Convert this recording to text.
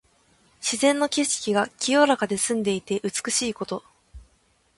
自然の景色が清らかで澄んでいて美しいこと。